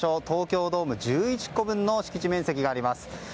東京ドーム１１個分の敷地面積があります。